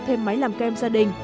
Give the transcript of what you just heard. thêm máy làm kem gia đình